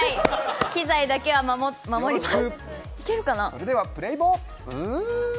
機材だけは守ります。